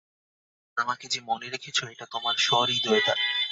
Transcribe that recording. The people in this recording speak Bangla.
আমাকে যে মনে রেখেছ, এটা তোমার সহৃদয়তা।